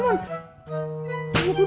duduk dulu udah duduk dulu